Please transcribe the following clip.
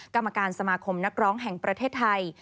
กรรมการสมาคมนักร้องแห่งประเทศไทย